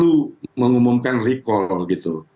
itu mengumumkan recall gitu